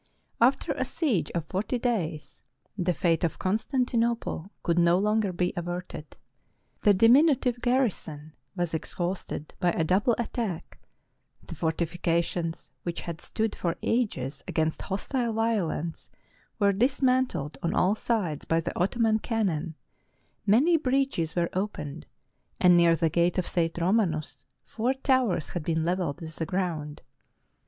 After a siege of forty days, the fate of Constantinople could no longer be averted. The diminutive garrison was exhausted by a double attack: the fortifications, which had stood for ages against hostile violence, were dismantled on all sides by the Ottoman cannon: many breaches were opened; and near the gate of St. Romanus, four towers had been leveled with the ground.